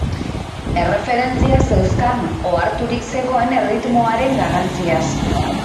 Erreferentziak zeuzkan, oharturik zegoen erritmoaren garrantziaz.